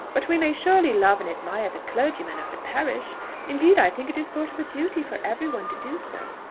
But we may surely love and admire the clergyman of the parish; indeed I think it is a sort of duty for every one to do so."